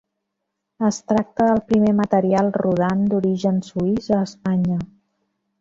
Es tracta del primer material rodant d'origen suís a Espanya.